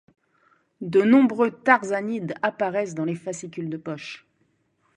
De nombreux tarzanides apparaissent dans les fascicules de poche.